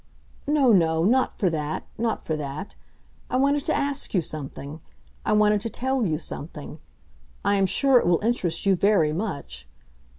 "No, no, not for that—not for that. I wanted to ask you something; I wanted to tell you something. I am sure it will interest you very much.